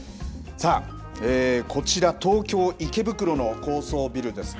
さあ、こちら東京、池袋の高層ビルですね。